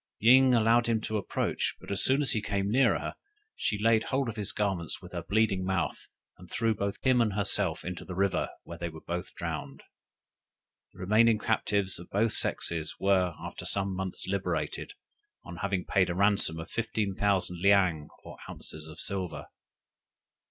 Ying allowed him to approach, but as soon as he came near her, she laid hold of his garments with her bleeding mouth, and threw both him and herself into the river, where they were drowned. The remaining captives of both sexes were after some months liberated, on having paid a ransom of fifteen thousand leang or ounces of silver.